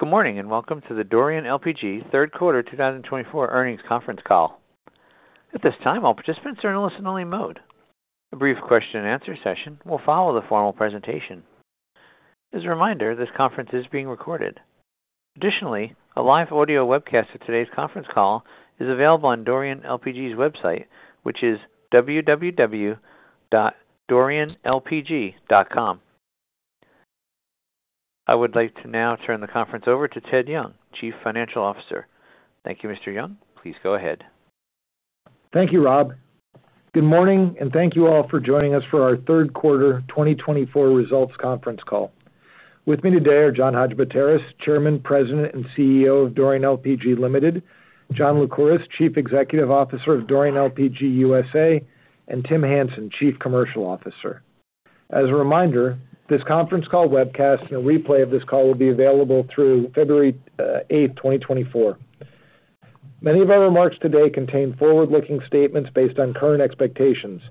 Good morning, and welcome to the Dorian LPG Third Quarter 2024 Earnings Conference Call. At this time, all participants are in listen-only mode. A brief Q&A session will follow the formal presentation. As a reminder, this conference is being recorded. Additionally, a live audio webcast of today's conference call is available on Dorian LPG's website, which is www.dorianlpg.com. I would like to now turn the conference over to Ted Young, Chief Financial Officer. Thank you, Mr. Young. Please go ahead. Thank you, Rob. Good morning, and thank you all for joining us for our third quarter 2024 results conference call. With me today are John Hadjipateras, Chairman, President, and CEO of Dorian LPG Limited; John Lycouris, Chief Executive Officer of Dorian LPG USA, and Tim Hansen, Chief Commercial Officer. As a reminder, this conference call webcast and a replay of this call will be available through February 8, 2024. Many of our remarks today contain forward-looking statements based on current expectations.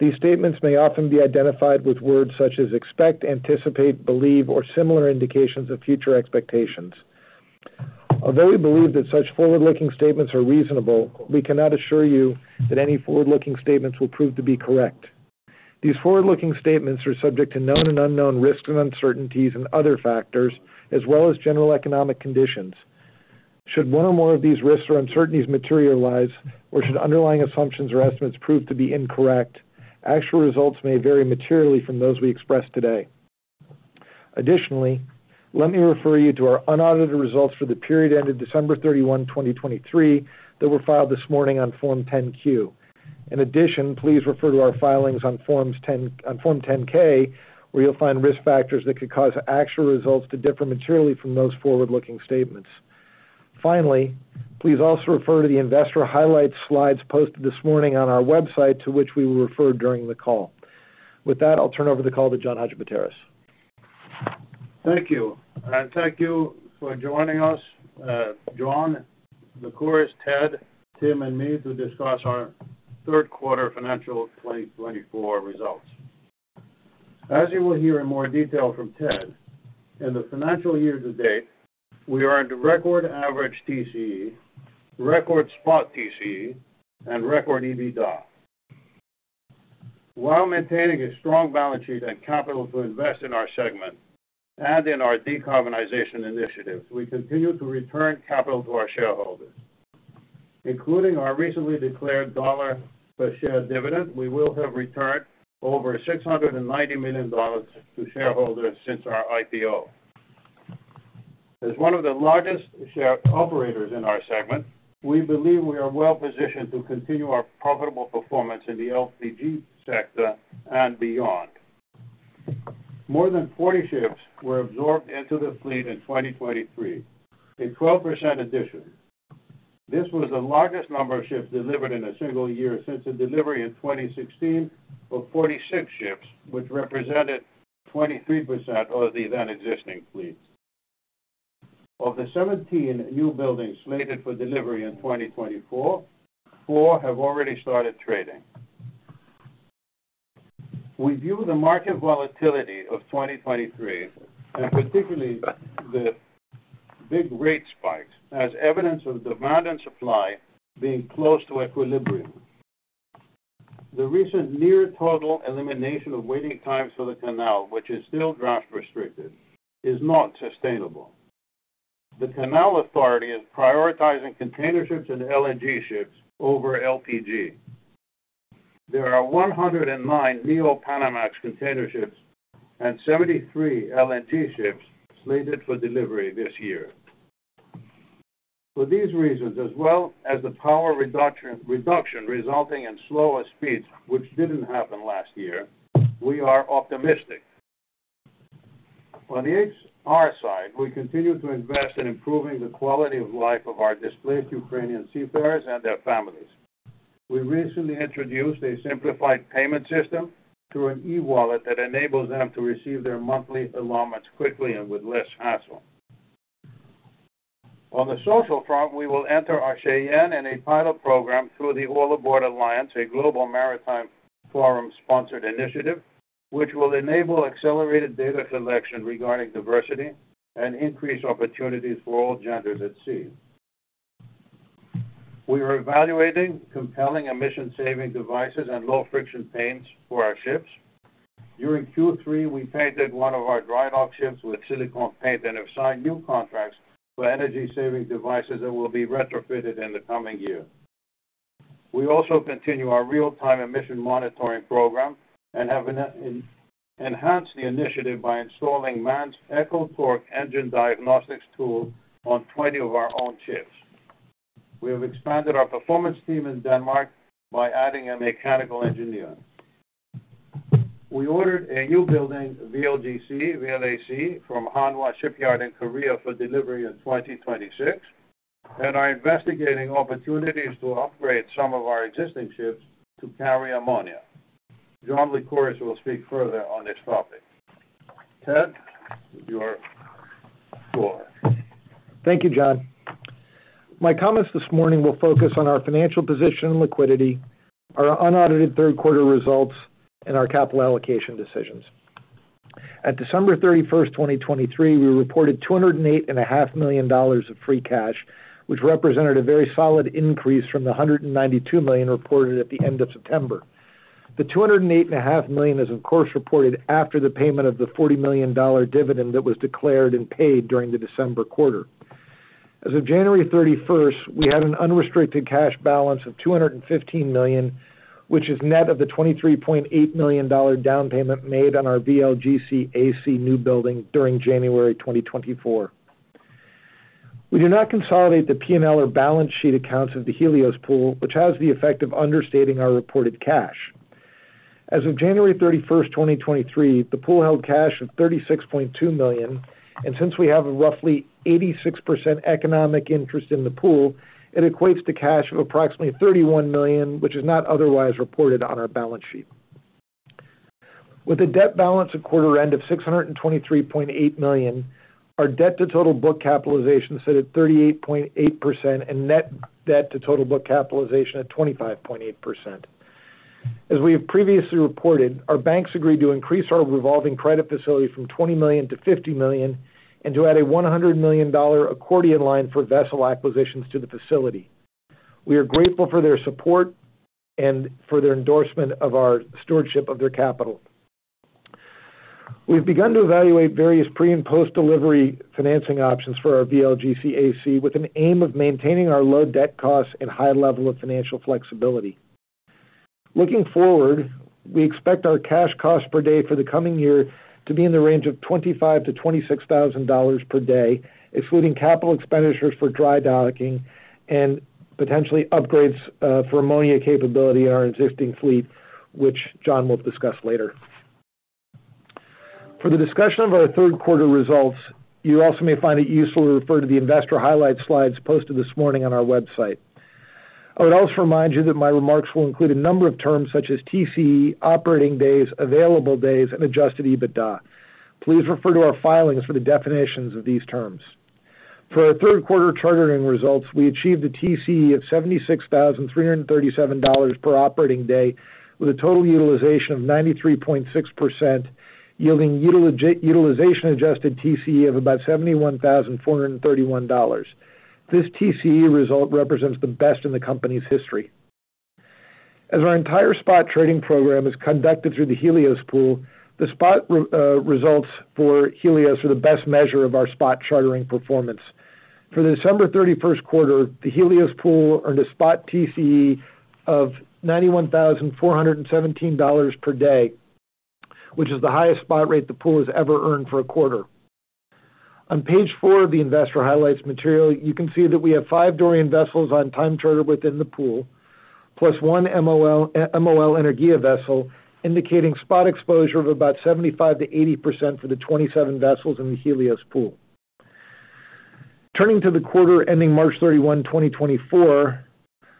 These statements may often be identified with words such as expect, anticipate, believe, or similar indications of future expectations. Although we believe that such forward-looking statements are reasonable, we cannot assure you that any forward-looking statements will prove to be correct. These forward-looking statements are subject to known and unknown risks and uncertainties and other factors, as well as general economic conditions. Should one or more of these risks or uncertainties materialize, or should underlying assumptions or estimates prove to be incorrect, actual results may vary materially from those we express today. Additionally, let me refer you to our unaudited results for the period ended December 31, 2023, that were filed this morning on Form 10-Q. In addition, please refer to our filings on Form 10-K, where you'll find risk factors that could cause actual results to differ materially from those forward-looking statements. Finally, please also refer to the investor highlights slides posted this morning on our website, to which we will refer during the call. With that, I'll turn over the call to John Hadjipateras. Thank you. Thank you for joining us, John Lycouris, Ted, Tim, and me, to discuss our third quarter financial 2024 results. As you will hear in more detail from Ted, in the financial year to date, we earned a record average TCE, record spot TCE, and record EBITDA. While maintaining a strong balance sheet and capital to invest in our segment and in our decarbonization initiatives, we continue to return capital to our shareholders. Including our recently declared $1 per share dividend, we will have returned over $690 million to shareholders since our IPO. As one of the largest ship operators in our segment, we believe we are well-positioned to continue our profitable performance in the LPG sector and beyond. More than 40 ships were absorbed into the fleet in 2023, a 12% addition. This was the largest number of ships delivered in a single year since the delivery in 2016 of 46 ships, which represented 23% of the then existing fleet. Of the 17 new buildings slated for delivery in 2024, four have already started trading. We view the market volatility of 2023, and particularly the big rate spikes, as evidence of demand and supply being close to equilibrium. The recent near-total elimination of waiting times for the canal, which is still draft-restricted, is not sustainable. The canal authority is prioritizing container ships and LNG ships over LPG. There are 109 Neo-Panamax container ships and 73 LNG ships slated for delivery this year. For these reasons, as well as the power reduction resulting in slower speeds, which didn't happen last year, we are optimistic. On the HR side, we continue to invest in improving the quality of life of our displaced Ukrainian seafarers and their families. We recently introduced a simplified payment system through an e-wallet that enables them to receive their monthly allotments quickly and with less hassle. On the social front, we will enter our Cheyenne in a pilot program through the All Aboard Alliance, a global maritime forum-sponsored initiative, which will enable accelerated data collection regarding diversity and increase opportunities for all genders at sea. We are evaluating compelling emission-saving devices and low-friction paints for our ships. During Q3, we painted one of our dry dock ships with silicone paint and have signed new contracts for energy-saving devices that will be retrofitted in the coming year. We also continue our real-time emission monitoring program and have enhanced the initiative by installing MAN EcoTorque engine diagnostics tool on 20 of our own ships. We have expanded our performance team in Denmark by adding a mechanical engineer. We ordered a new building, VLGC, VLAC, from Hanwha Shipyard in Korea for delivery in 2026 and are investigating opportunities to upgrade some of our existing ships to carry ammonia. John Lycouris will speak further on this topic. Ted, you are go ahead. Thank you, John.... My comments this morning will focus on our financial position and liquidity, our unaudited third quarter results, and our capital allocation decisions. At December 31, 2023, we reported $208.5 million of free cash, which represented a very solid increase from the $192 million reported at the end of September. The $208.5 million is, of course, reported after the payment of the $40 million dividend that was declared and paid during the December quarter. As of January 31st, we had an unrestricted cash balance of $215 million, which is net of the $23.8 million down payment made on our VLGC and VLAC new building during January 2024. We do not consolidate the PNL or balance sheet accounts of the Helios Pool, which has the effect of understating our reported cash. As of January 31, 2023, the pool held cash of $36.2 million, and since we have a roughly 86% economic interest in the pool, it equates to cash of approximately $31 million, which is not otherwise reported on our balance sheet. With a debt balance at quarter end of $623.8 million, our debt to total book capitalization sits at 38.8% and net debt to total book capitalization at 25.8%. As we previously reported, our banks agreed to increase our revolving credit facility from $20 million-$50 million and to add a $100 million accordion line for vessel acquisitions to the facility. We are grateful for their support and for their endorsement of our stewardship of their capital. We've begun to evaluate various pre- and post-delivery financing options for our VLGC and VLAC, with an aim of maintaining our low debt costs and high level of financial flexibility. Looking forward, we expect our cash cost per day for the coming year to be in the range of $25,000-$26,000 per day, excluding capital expenditures for dry docking and potentially upgrades for ammonia capability in our existing fleet, which John will discuss later. For the discussion of our third quarter results, you also may find it useful to refer to the investor highlight slides posted this morning on our website. I would also remind you that my remarks will include a number of terms such as TCE, operating days, available days, and adjusted EBITDA. Please refer to our filings for the definitions of these terms. For our third quarter chartering results, we achieved a TCE of $76,337 per operating day, with a total utilization of 93.6%, yielding utilization-adjusted TCE of about $71,431. This TCE result represents the best in the company's history. As our entire spot trading program is conducted through the Helios Pool, the spot results for Helios are the best measure of our spot chartering performance. For the December 31st quarter, the Helios Pool earned a spot TCE of $91,417 per day, which is the highest spot rate the pool has ever earned for a quarter. On page four of the investor highlights material, you can see that we have five Dorian vessels on time charter within the pool, plus one MOL, MOL Energia vessel, indicating spot exposure of about 75%-80% for the 27 vessels in the Helios pool. Turning to the quarter ending March 31, 2024,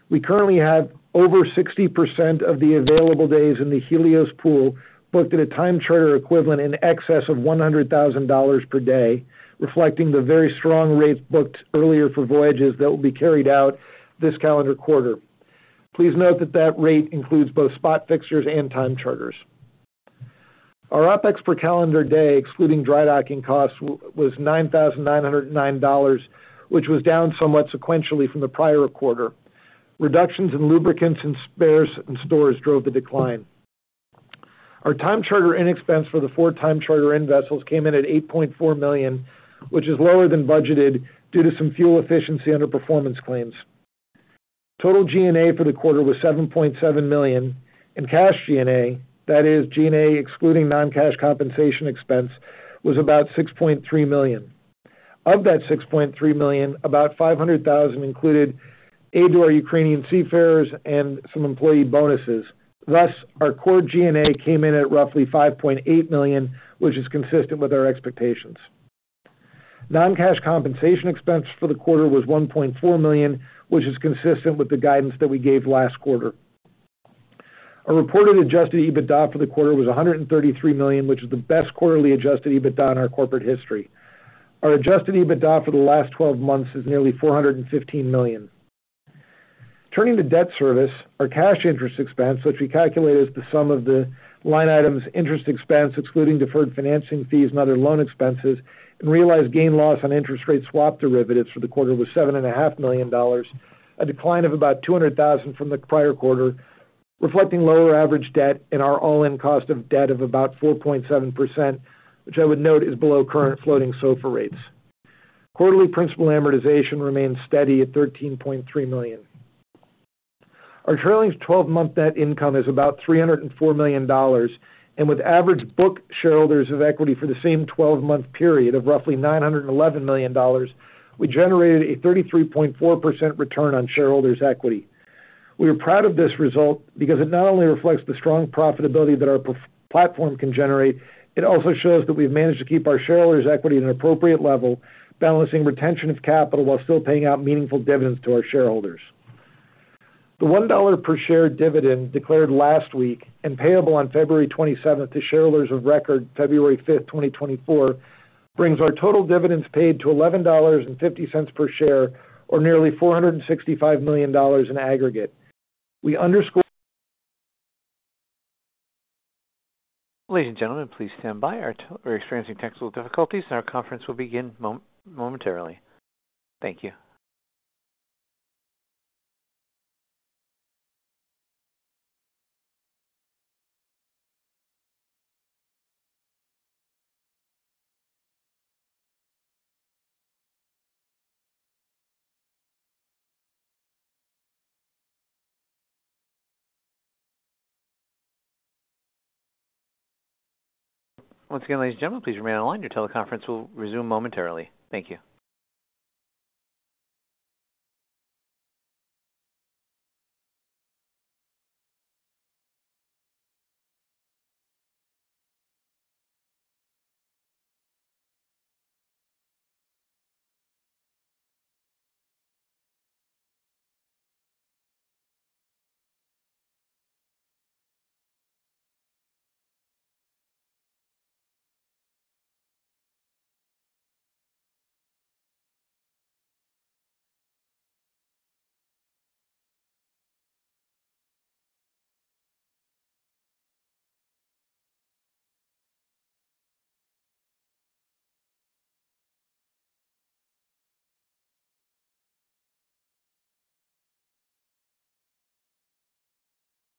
we currently have over 60% of the available days in the Helios Pool, booked at a time charter equivalent in excess of $100,000 per day, reflecting the very strong rates booked earlier for voyages that will be carried out this calendar quarter. Please note that that rate includes both spot fixtures and time charters. Our OpEx per calendar day, excluding dry docking costs, was $9,909, which was down somewhat sequentially from the prior quarter. Reductions in lubricants and spares and stores drove the decline. Our time charter-in expense for the four time charter-in vessels came in at $8.4 million, which is lower than budgeted due to some fuel efficiency underperformance claims. Total G&A for the quarter was $7.7 million, and cash G&A, that is G&A excluding non-cash compensation expense, was about $6.3 million. Of that $6.3 million, about $500,000 included aid to our Ukrainian seafarers and some employee bonuses. Thus, our core G&A came in at roughly $5.8 million, which is consistent with our expectations. Non-cash compensation expense for the quarter was $1.4 million, which is consistent with the guidance that we gave last quarter. Our reported Adjusted EBITDA for the quarter was $133 million, which is the best quarterly Adjusted EBITDA in our corporate history. Our adjusted EBITDA for the last 12 months is nearly $415 million. Turning to debt service, our cash interest expense, which we calculate as the sum of the line items interest expense, excluding deferred financing fees and other loan expenses, and realized gain loss on interest rate swap derivatives for the quarter, was $7.5 million, a decline of about $200,000 from the prior quarter, reflecting lower average debt and our all-in cost of debt of about 4.7%, which I would note is below current floating SOFR rates. Quarterly principal amortization remains steady at $13.3 million. Our trailing 12-month net income is about $304 million, and with average book shareholders of equity for the same 12-month period of roughly $911 million, we generated a 33.4% return on shareholders' equity. We are proud of this result because it not only reflects the strong profitability that our pool platform can generate, it also shows that we've managed to keep our shareholders' equity at an appropriate level, balancing retention of capital while still paying out meaningful dividends to our shareholders. The $1 per share dividend declared last week and payable on February 27th to shareholders of record February fifth, 2024, brings our total dividends paid to $11.50 per share, or nearly $465 million in aggregate. We underscore. Ladies and gentlemen, please stand by. We're experiencing technical difficulties, and our conference will begin momentarily. Thank you. Once again, ladies and gentlemen, please remain on line. Your teleconference will resume momentarily. Thank you.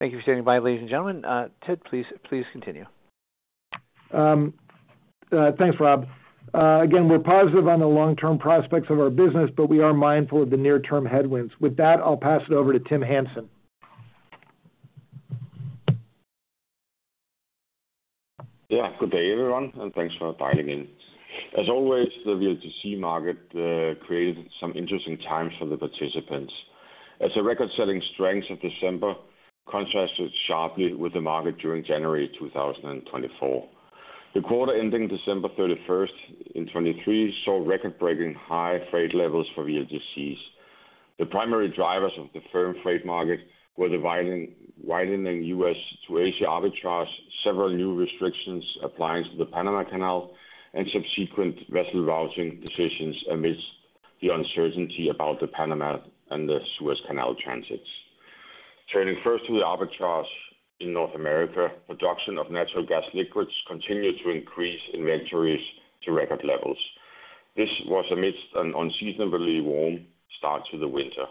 Thank you for standing by, ladies and gentlemen. Ted, please, please continue. Thanks, Rob. Again, we're positive on the long-term prospects of our business, but we are mindful of the near-term headwinds. With that, I'll pass it over to Tim Hansen. Yeah, good day, everyone, and thanks for inviting in. As always, the VLGC market created some interesting times for the participants. As a record-setting strength of December contrasted sharply with the market during January 2024. The quarter ending December 31st, 2023, saw record-breaking high freight levels for VLGCs. The primary drivers of the firm freight market were the widening, widening U.S. to Asia arbitrage, several new restrictions applying to the Panama Canal, and subsequent vessel routing decisions amidst the uncertainty about the Panama and the Suez Canal transits. Turning first to the arbitrage in North America, production of natural gas liquids continued to increase inventories to record levels. This was amidst an unseasonably warm start to the winter.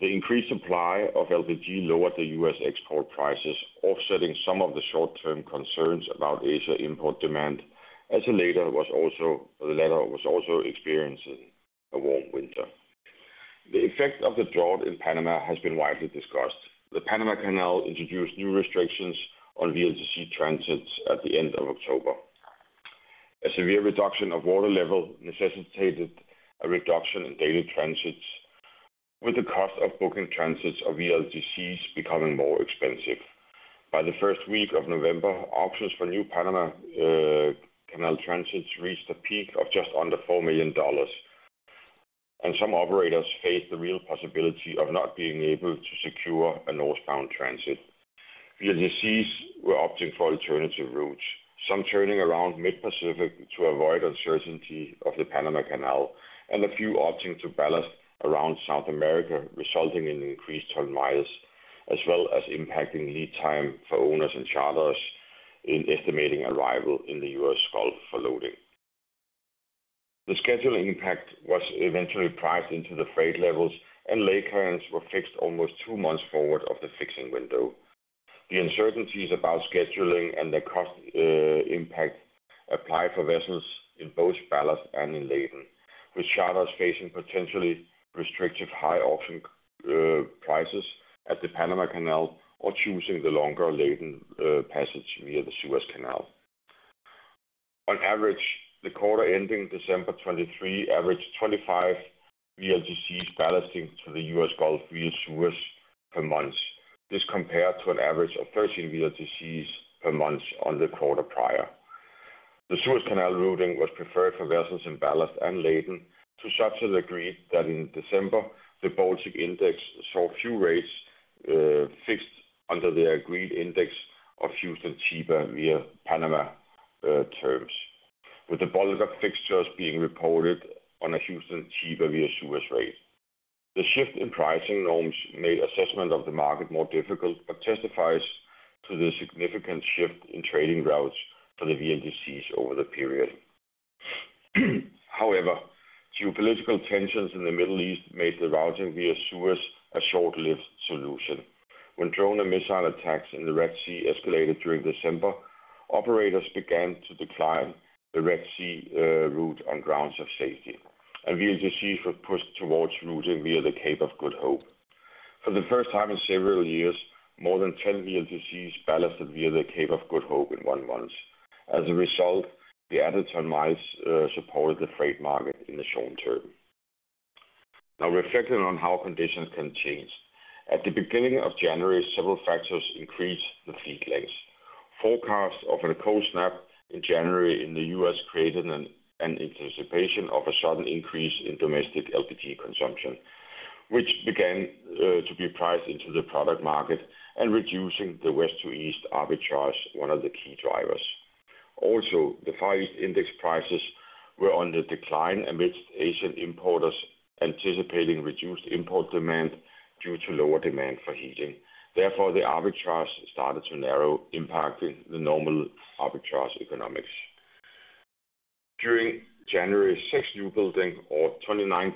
The increased supply of LPG lowered the U.S. export prices, offsetting some of the short-term concerns about Asia import demand, as the latter was also experiencing a warm winter. The effect of the drought in Panama has been widely discussed. The Panama Canal introduced new restrictions on VLGC transits at the end of October. A severe reduction of water level necessitated a reduction in daily transits, with the cost of booking transits of VLGCs becoming more expensive. By the first week of November, auctions for new Panama Canal transits reached a peak of just under $4 million, and some operators faced the real possibility of not being able to secure a northbound transit. VLGCs were opting for alternative routes, some turning around mid-Pacific to avoid uncertainty of the Panama Canal, and a few opting to ballast around South America, resulting in increased ton miles, as well as impacting lead time for owners and charters in estimating arrival in the U.S. Gulf for loading. The scheduling impact was eventually priced into the freight levels, and Laycan were fixed almost two months forward of the fixing window. The uncertainties about scheduling and the cost, impact applied for vessels in both ballast and in laden, with charters facing potentially restrictive high auction, prices at the Panama Canal or choosing the longer laden, passage via the Suez Canal. On average, the quarter ending December 2023 averaged 25 VLGCs ballasting to the U.S. Gulf via Suez per month. This compared to an average of 13 VLGCs per month on the quarter prior. The Suez Canal routing was preferred for vessels in ballast and laden to such a degree that in December, the Baltic Index saw few rates, fixed under their agreed index of Houston-Chiba via Panama, terms, with the Baltic fixtures being reported on a Houston-Chiba via Suez rate. The shift in pricing norms made assessment of the market more difficult, but testifies to the significant shift in trading routes for the VLGCs over the period. However, geopolitical tensions in the Middle East made the routing via Suez a short-lived solution. When drone and missile attacks in the Red Sea escalated during December, operators began to decline the Red Sea, route on grounds of safety, and VLGCs were pushed towards routing via the Cape of Good Hope. For the first time in several years, more than 10 VLGCs ballasted via the Cape of Good Hope in one month. As a result, the added ton miles supported the freight market in the short term. Now, reflecting on how conditions can change. At the beginning of January, several factors increased the fleet lengths. Forecasts of a cold snap in January in the U.S. created an anticipation of a sudden increase in domestic LPG consumption, which began to be priced into the product market and reducing the West to East arbitrage, one of the key drivers. Also, the Far East Index prices were on the decline amidst Asian importers anticipating reduced import demand due to lower demand for heating. Therefore, the arbitrage started to narrow, impacting the normal arbitrage economics. During January, six new building, or 29%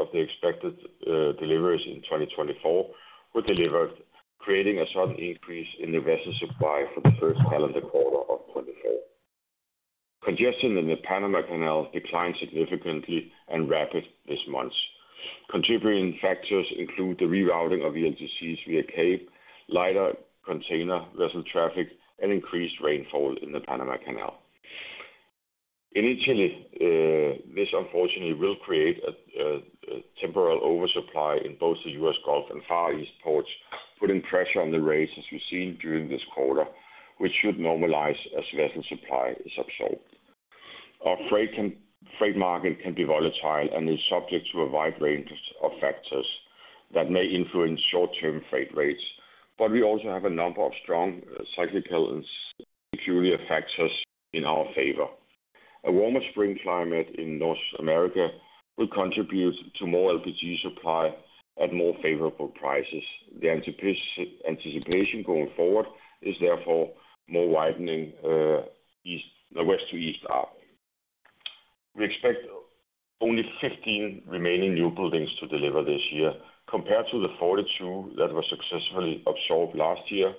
of the expected, deliveries in 2024, were delivered, creating a sudden increase in the vessel supply for the first calendar quarter of 2024. Congestion in the Panama Canal declined significantly and rapidly this month. Contributing factors include the rerouting of ELTCs via Cape, lighter container vessel traffic, and increased rainfall in the Panama Canal. Initially, this unfortunately will create a temporary oversupply in both the U.S. Gulf and Far East ports, putting pressure on the rates as we've seen during this quarter, which should normalize as vessel supply is absorbed. Our freight market can be volatile and is subject to a wide range of factors that may influence short-term freight rates, but we also have a number of strong cyclical and superior factors in our favor. A warmer spring climate in North America will contribute to more LPG supply at more favorable prices. The anticipation going forward is therefore more widening east, the West to East arc. We expect only 15 remaining new buildings to deliver this year compared to the 42 that were successfully absorbed last year.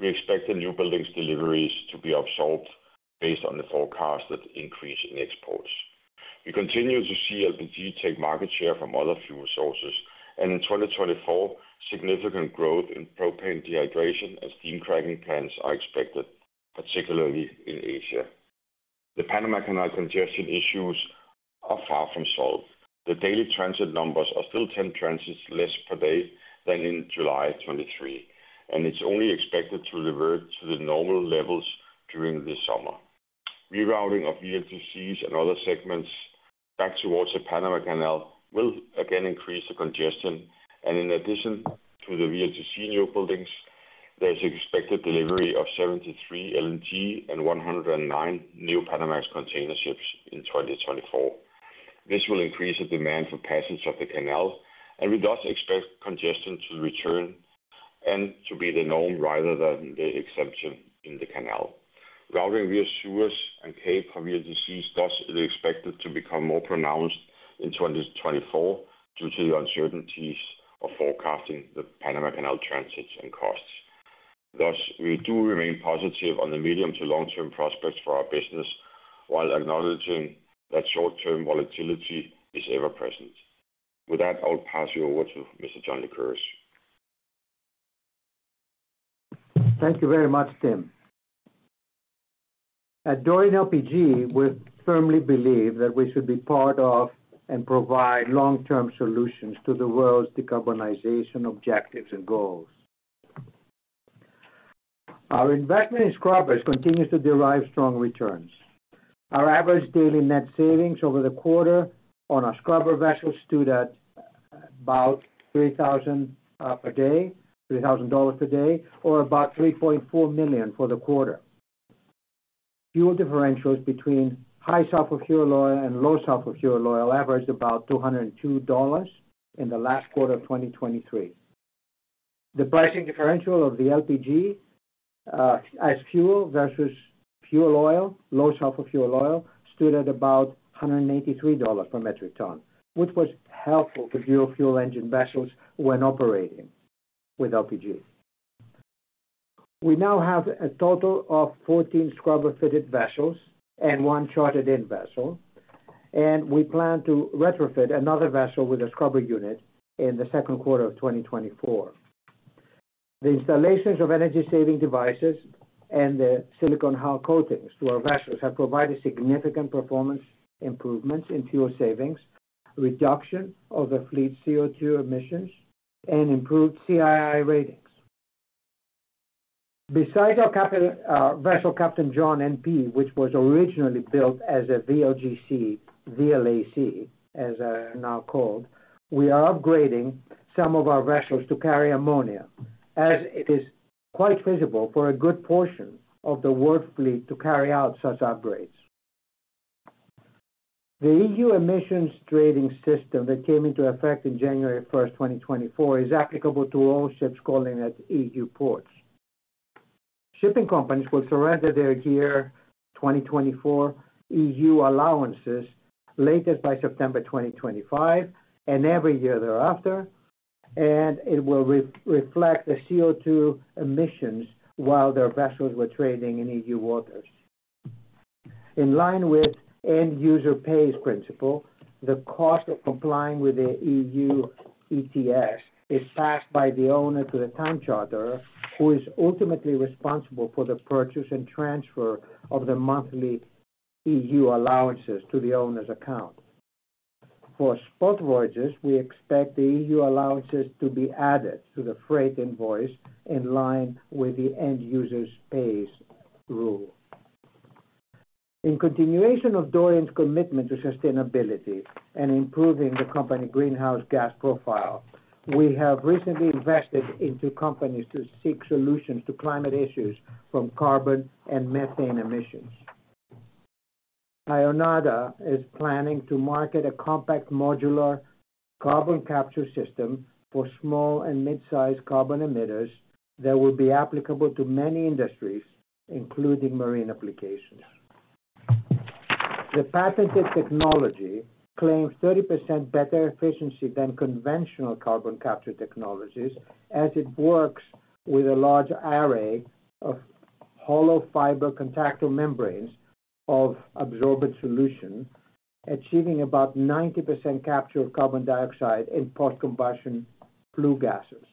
We expect the new buildings deliveries to be absorbed based on the forecasted increase in exports. We continue to see LPG take market share from other fuel sources, and in 2024, significant growth in propane dehydrogenation and steam cracking plants are expected, particularly in Asia. The Panama Canal congestion issues are far from solved. The daily transit numbers are still 10 transits less per day than in July 2023, and it's only expected to revert to the normal levels during the summer. Rerouting of VLGCs and other segments back towards the Panama Canal will again increase the congestion. In addition to the VLGC new buildings, there is expected delivery of 73 LNG and 109 new Panamax container ships in 2024. This will increase the demand for passage of the canal, and we thus expect congestion to return and to be the norm rather than the exception in the canal. Routing via Suez and Cape VLGCs thus is expected to become more pronounced in 2024 due to the uncertainties of forecasting the Panama Canal transits and costs. Thus, we do remain positive on the medium- to long-term prospects for our business, while acknowledging that short-term volatility is ever present. With that, I'll pass you over to Mr. John Lycouris. Thank you very much, Tim. At Dorian LPG, we firmly believe that we should be part of and provide long-term solutions to the world's decarbonization objectives and goals. Our investment in scrubbers continues to derive strong returns. Our average daily net savings over the quarter on our scrubber vessels stood at about $3,000 per day, $3,000 per day, or about $3.4 million for the quarter. Fuel differentials between high sulfur fuel oil and low sulfur fuel oil averaged about $202 in the last quarter of 2023. The pricing differential of the LPG as fuel versus fuel oil, low sulfur fuel oil, stood at about $183 per metric ton, which was helpful to dual fuel engine vessels when operating with LPG. We now have a total of 14 scrubber-fitted vessels and one chartered-in vessel, and we plan to retrofit another vessel with a scrubber unit in the second quarter of 2024. The installations of energy-saving devices and the silicone hull coatings to our vessels have provided significant performance improvements in fuel savings, reduction of the fleet's CO2 emissions, and improved CII ratings. Besides our Captain vessel, Captain John NP, which was originally built as a VLGC, VLAC, as are now called, we are upgrading some of our vessels to carry ammonia, as it is quite feasible for a good portion of the world fleet to carry out such upgrades. The EU Emissions Trading System that came into effect in January 1, 2024, is applicable to all ships calling at EU ports. Shipping companies will surrender their 2024 EU allowances latest by September 2025, and every year thereafter, and it will re-reflect the CO2 emissions while their vessels were trading in EU waters. In line with end user pays principle, the cost of complying with the EU ETS is passed by the owner to the time charter, who is ultimately responsible for the purchase and transfer of the monthly EU allowances to the owner's account. For spot voyages, we expect the EU allowances to be added to the freight invoice in line with the end user's pays rule. In continuation of Dorian's commitment to sustainability and improving the company greenhouse gas profile, we have recently invested into companies to seek solutions to climate issues from carbon and methane emissions. Ionada is planning to market a compact modular carbon capture system for small and mid-sized carbon emitters that will be applicable to many industries, including marine applications. The patented technology claims 30% better efficiency than conventional carbon capture technologies, as it works with a large array of hollow fiber contactor membranes of absorbent solution, achieving about 90% capture of carbon dioxide in post-combustion flue gases.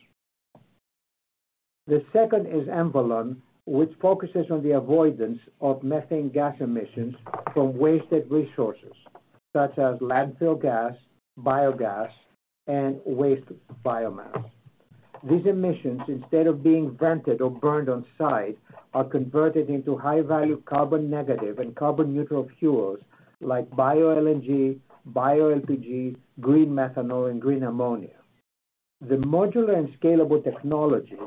The second is Emvolon, which focuses on the avoidance of methane gas emissions from wasted resources such as landfill gas, biogas, and waste biomass. These emissions, instead of being vented or burned on site, are converted into high-value carbon-negative and carbon-neutral fuels like bioLNG, bioLPG, green methanol, and green ammonia. The modular and scalable technology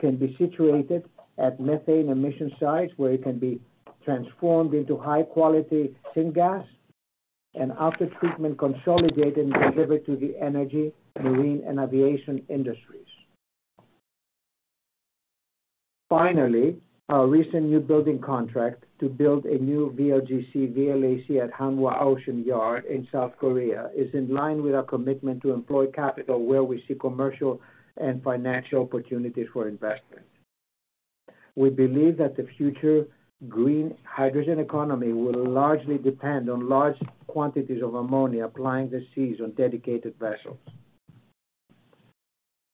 can be situated at methane emission sites, where it can be transformed into high-quality syngas and after treatment, consolidated and delivered to the energy, marine, and aviation industries. Finally, our recent new building contract to build a new VLGC-VLAC at Hanwha Ocean in South Korea is in line with our commitment to employ capital where we see commercial and financial opportunities for investment. We believe that the future green hydrogen economy will largely depend on large quantities of ammonia applying the seas on dedicated vessels.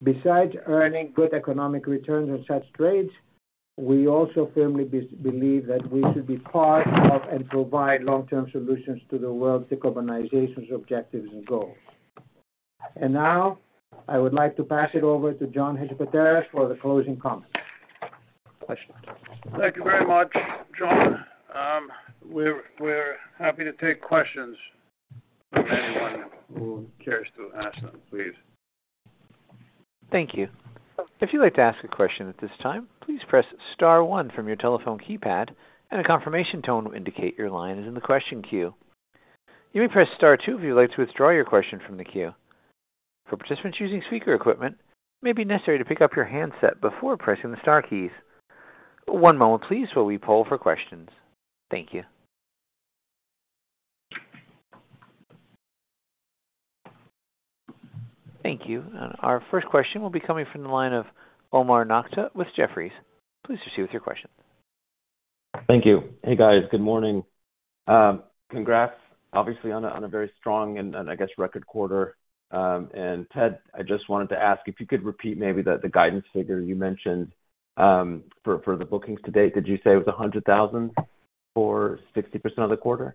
Besides earning good economic returns on such trades, we also firmly believe that we should be part of and provide long-term solutions to the world's decarbonization objectives and goals. And now, I would like to pass it over to John Hadjipateras for the closing comments. Questions? Thank you very much, John. We're happy to take questions from anyone who cares to ask them, please. Thank you. If you'd like to ask a question at this time, please press star one from your telephone keypad, and a confirmation tone will indicate your line is in the question queue. You may press star two if you'd like to withdraw your question from the queue. For participants using speaker equipment, it may be necessary to pick up your handset before pressing the star keys. One moment please, while we poll for questions. Thank you. Thank you. Our first question will be coming from the line of Omar Nokta with Jefferies. Please proceed with your question. Thank you. Hey, guys. Good morning. Congrats, obviously, on a very strong and I guess record quarter. And Ted, I just wanted to ask if you could repeat maybe the guidance figure you mentioned, for the bookings to date. Did you say it was $100,000 for 60% of the quarter?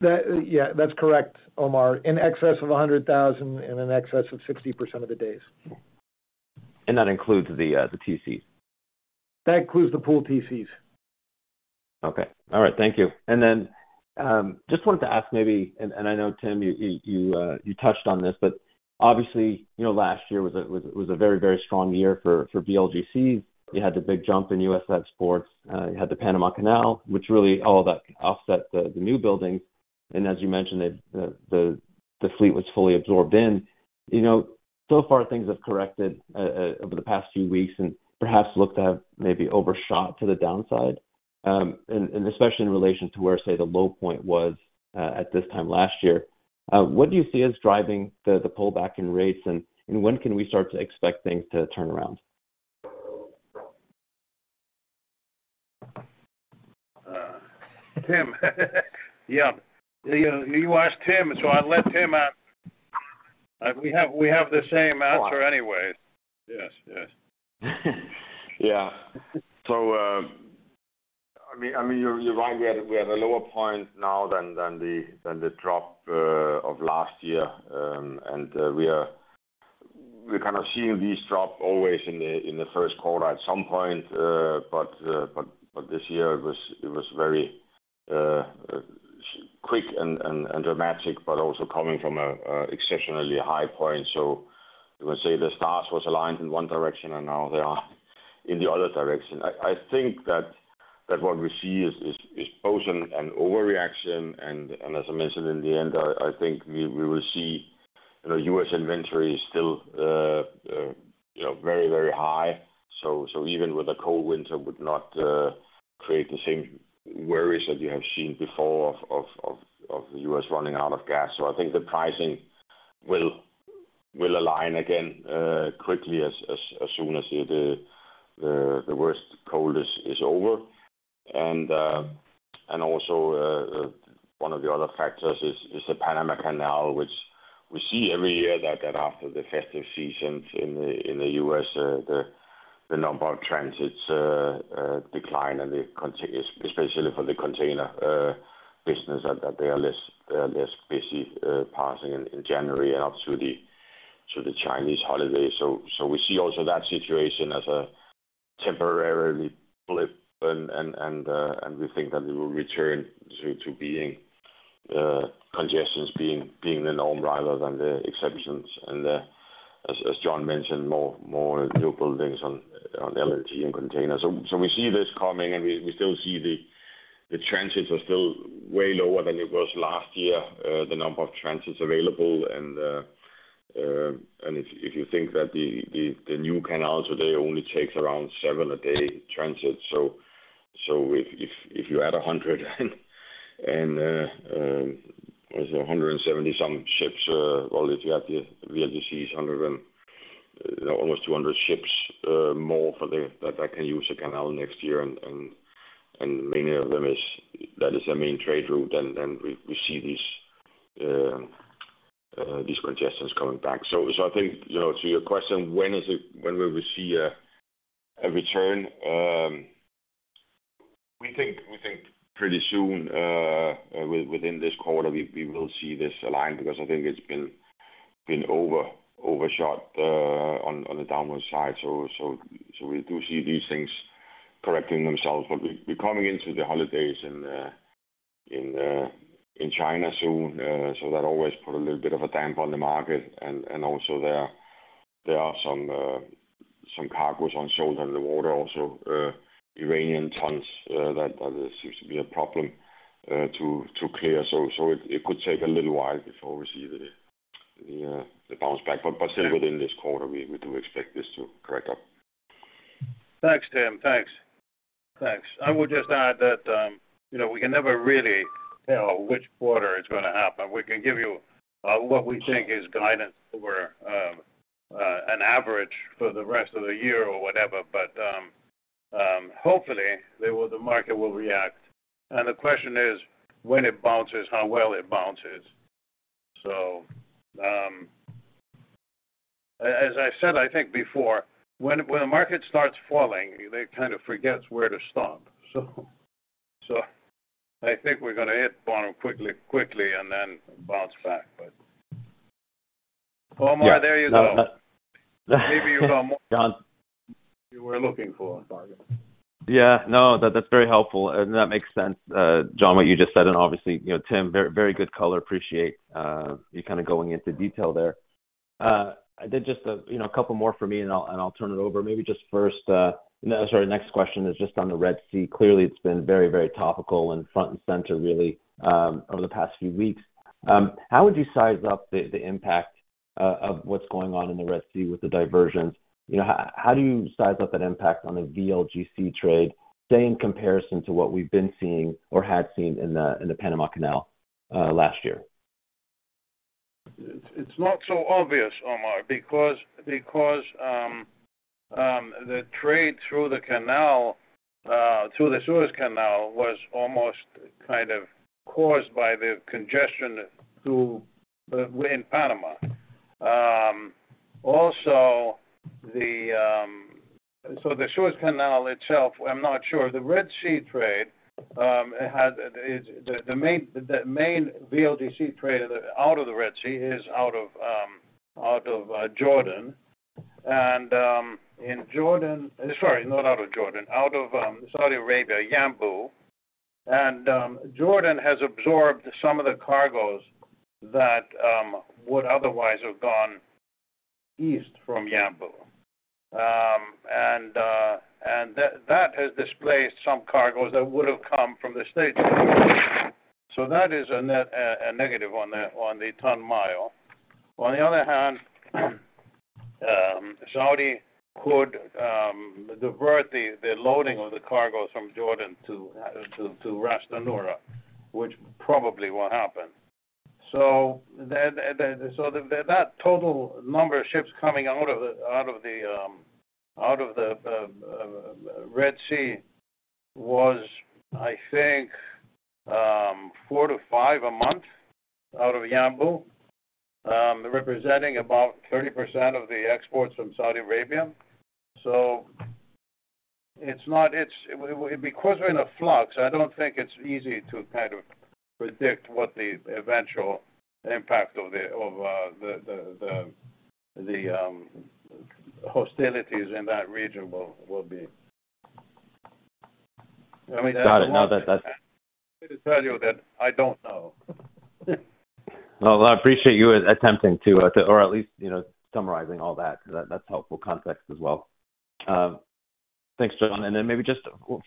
Yeah, that's correct, Omar, in excess of $100,000 and in excess of 60% of the days. And that includes the, the TCs? That includes the pool TCs. Okay. All right, thank you. And then, just wanted to ask maybe, and I know, Tim, you touched on this, but obviously, you know, last year was a very strong year for VLGC. You had the big jump in U.S. export. You had the Panama Canal, which really all that offset the new buildings. And as you mentioned, the fleet was fully absorbed in. You know, so far, things have corrected over the past few weeks and perhaps look to have maybe overshot to the downside, and especially in relation to where, say, the low point was at this time last year. What do you see as driving the pullback in rates, and when can we start to expect things to turn around? Tim. Yeah. You asked Tim, so I'll let him... We have the same answer anyways. Yes, yes. Yeah. So, I mean, you're right. We are at a lower point now than the drop of last year. And we are seeing these drop always in the first quarter at some point. But this year it was very quick and dramatic, but also coming from an exceptionally high point. So you would say the stars was aligned in one direction, and now they are in the other direction. I think that what we see is both an overreaction, and as I mentioned in the end, I think we will see, you know, U.S. inventory still very high. So, even with a cold winter would not create the same worries that you have seen before of the U.S. running out of gas. So I think the pricing will align again quickly as soon as the worst cold is over. And also, one of the other factors is the Panama Canal, which we see every year that after the festive season in the U.S., the number of transits decline, and especially for the container business, that they are less busy passing in January and up to the Chinese holiday. We see that situation as a temporary blip, and we think that it will return to congestion being the norm rather than the exception. As John mentioned, more new buildings on LNG and containers. So we see this coming, and we still see the transits are still way lower than it was last year, the number of transits available. And if you think that the new canal today only takes around seven a day transit. So, if you add 100, there's 170-some ships, well, if you add the VLGCs, 100 and, you know, almost 200 ships, more for that, that can use the canal next year, and many of them is, that is their main trade route, then we see these congestions coming back. So I think, you know, to your question, when is it—when will we see a return? We think pretty soon, within this quarter, we will see this align, because I think it's been overshot on the downward side. So we do see these things correcting themselves. But we're coming into the holidays in China soon, so that always put a little bit of a damp on the market. And also there are some cargoes on-sold on the water also, Iranian tons, that seems to be a problem to clear. So it could take a little while before we see the bounce back. But still within this quarter, we do expect this to correct up. Thanks, Tim. Thanks. Thanks. I would just add that, you know, we can never really tell which quarter it's gonna happen. We can give you what we think is guidance for an average for the rest of the year or whatever, but hopefully, they will... the market will react. And the question is, when it bounces, how well it bounces? So, as I said, I think before, when a market starts falling, it kind of forgets where to stop. So I think we're gonna hit bottom quickly, and then bounce back, but... Omar, there you go. Yeah. No, no. Maybe you know more. John You were looking for. Sorry. Yeah. No, that, that's very helpful, and that makes sense, John, what you just said, and obviously, you know, Tim, very, very good color. Appreciate, you kind of going into detail there. I did just, you know, a couple more for me, and I'll, and I'll turn it over. Maybe just first, sorry, next question is just on the Red Sea. Clearly, it's been very, very topical and front and center really, over the past few weeks. How would you size up the impact of what's going on in the Red Sea with the diversions? You know, how do you size up that impact on the VLGC trade, say, in comparison to what we've been seeing or had seen in the Panama Canal, last year? It's not so obvious, Omar, because the trade through the canal, through the Suez Canal, was almost kind of caused by the congestion in Panama. Also, the Suez Canal itself, I'm not sure. The Red Sea trade, it's the main VLGC trade out of the Red Sea is out of Jordan. And, in Jordan, sorry, not out of Jordan, out of Saudi Arabia, Yanbu. And, Jordan has absorbed some of the cargoes that would otherwise have gone east from Yanbu. And that has displaced some cargoes that would have come from the States. So that is a net negative on the ton mile. On the other hand, Saudi could divert the loading of the cargoes from Jordan to Ras Tanura, which probably will happen. So then, that total number of ships coming out of the Red Sea was, I think, four to five a month out of Yanbu, representing about 30% of the exports from Saudi Arabia. So it's not. It's because we're in a flux, I don't think it's easy to kind of predict what the eventual impact of the hostilities in that region will be. I mean- Got it. No, that, that's- Let me tell you that I don't know. Well, I appreciate you attempting to, to, or at least, you know, summarizing all that, because that's helpful context as well. Thanks, John. And then maybe just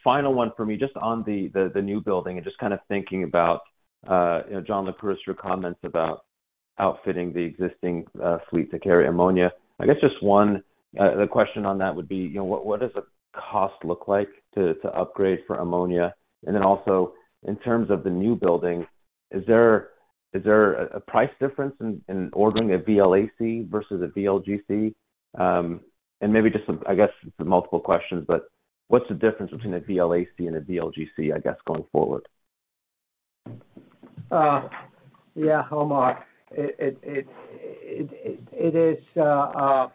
final one for me, just on the new building and just kind of thinking about, you know, John, the previous comments about outfitting the existing fleet to carry ammonia. I guess just one, the question on that would be: you know, what does the cost look like to upgrade for ammonia? And then also, in terms of the new building, is there a price difference in ordering a VLAC versus a VLGC? And maybe just some, I guess, some multiple questions, but-... What's the difference between a VLAC and a VLGC, I guess, going forward? Yeah, Omar, it is a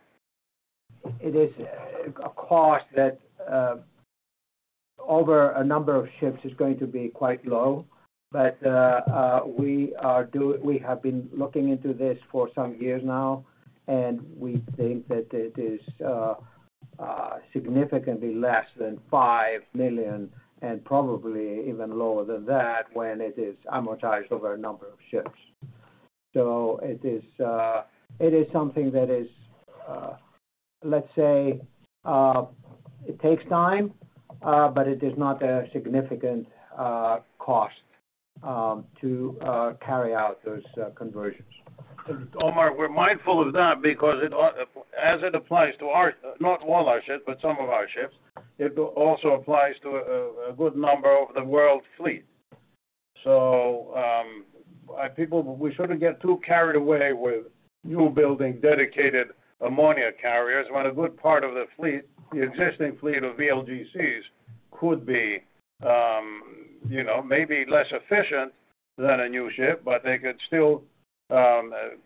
cost that over a number of ships is going to be quite low. But, we have been looking into this for some years now, and we think that it is significantly less than $5 million, and probably even lower than that, when it is amortized over a number of ships. So it is something that is, let's say, it takes time, but it is not a significant cost to carry out those conversions. Omar, we're mindful of that because it as it applies to our, not all our ships, but some of our ships, it also applies to a good number of the world fleet. So, people—we shouldn't get too carried away with new building dedicated ammonia carriers, when a good part of the fleet, the existing fleet of VLGCs, could be, you know, maybe less efficient than a new ship, but they could still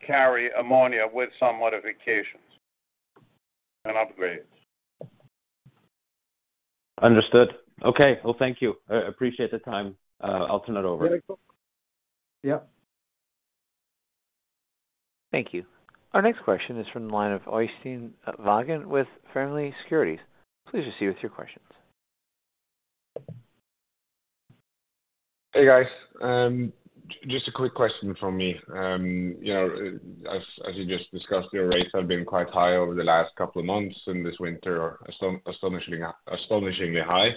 carry ammonia with some modifications and upgrades. Understood. Okay, well, thank you. I appreciate the time. I'll turn it over. Yeah. Thank you. Our next question is from the line of Øystein Vaagen with Fearnley Securities. Please proceed with your questions. Hey, guys. Just a quick question from me. You know, as you just discussed, your rates have been quite high over the last couple of months, and this winter are astonishingly high.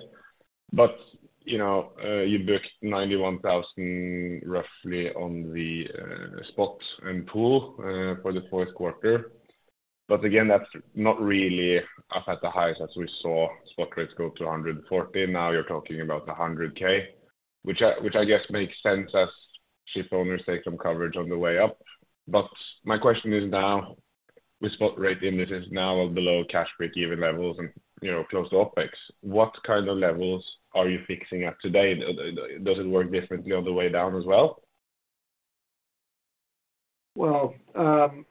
But, you know, you booked $91,000, roughly, on the spot and pool for the fourth quarter. But again, that's not really up at the highs as we saw spot rates go to $140,000. Now you're talking about $100,000, which I guess makes sense as ship owners take some coverage on the way up. But my question is now, with spot rate, and this is now below cash break-even levels and, you know, close to OpEx, what kind of levels are you fixing at today? Does it work differently on the way down as well? Well, Øystein,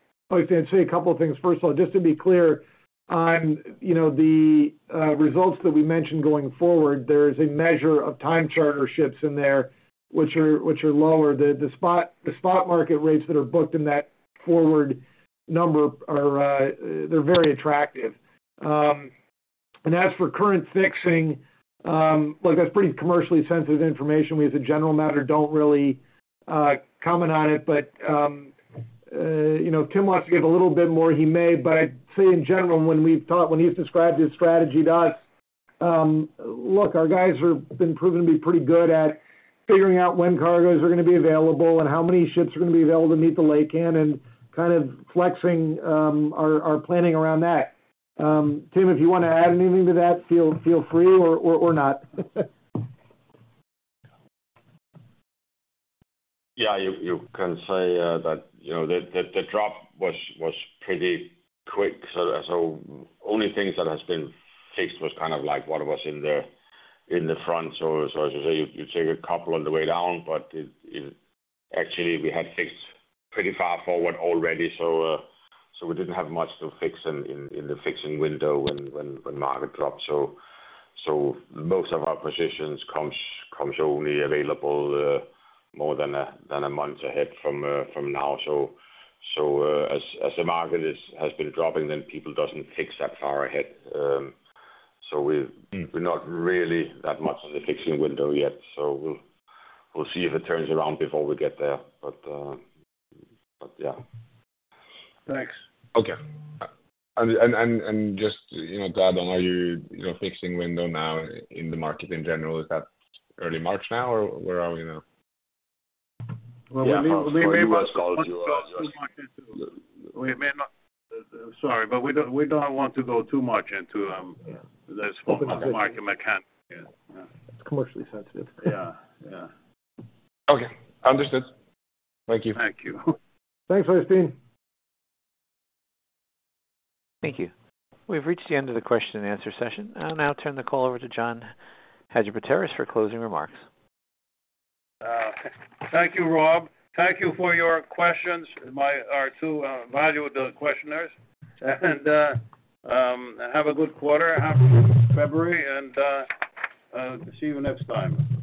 I'd say a couple of things. First of all, just to be clear, on you know the results that we mentioned going forward, there is a measure of time charter ships in there, which are lower. The spot market rates that are booked in that forward number are, they're very attractive. And as for current fixing, look, that's pretty commercially sensitive information. We, as a general matter, don't really comment on it. But you know, Tim wants to give a little bit more, he may. But I'd say in general, when we've talked, when he's described his strategy to us, look, our guys have been proven to be pretty good at figuring out when cargoes are going to be available and how many ships are going to be available to meet the Laycan, and kind of flexing our planning around that. Tim, if you want to add anything to that, feel free or not. Yeah, you can say that, you know, the drop was pretty quick. So only things that has been fixed was kind of like what was in the front. So as you say, you take a couple on the way down, but it actually we had fixed pretty far forward already, so we didn't have much to fix in the fixing window when market dropped. So most of our positions comes only available more than a month ahead from now. So as the market has been dropping, then people doesn't fix that far ahead. So we're not really that much on the fixing window yet, so we'll see if it turns around before we get there. But yeah. Thanks. Okay. And just, you know, to add on, are you, you know, fixing window now in the market in general? Is that early March now, or where are we now? Well, we must go to- We may not... Sorry, but we don't, we don't want to go too much into this market mechanism. It's commercially sensitive. Yeah, yeah. Okay, understood. Thank you. Thank you. Thanks, Øystein. Thank you. We've reached the end of the question and answer session. I'll now turn the call over to John Hadjipateras for closing remarks. Thank you, Rob. Thank you for your questions, my—our two valued questioners. And have a good quarter, have a good February, and see you next time.